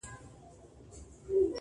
یو څه سیالي د زمانې ووینو؛